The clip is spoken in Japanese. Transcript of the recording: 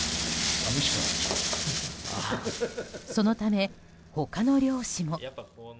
そのため、他の漁師も。